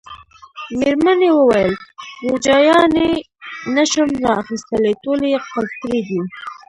مېرمنې وویل: روجایانې نه شم را اخیستلای، ټولې یې قلف کړي دي.